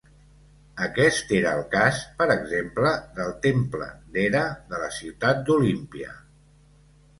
Aquest era el cas, per exemple, del temple d'Hera de la ciutat d'Olímpia.